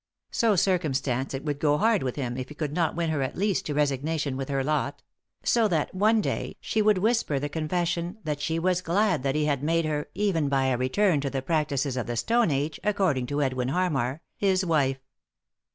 So circumstanced it would go hard with him if he could not win her 'at least to resignation with her lot ; so that one day she would 267 3i 9 iii^d by Google THE INTERRUPTED KISS whisper the confession that she was glad that he had made her, even by a return to the practices of the Stone Age, according to Edwin Harmar, his wife.